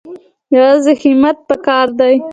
یوازې همت پکار دی